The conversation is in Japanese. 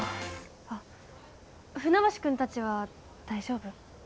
あっ船橋くんたちは大丈夫？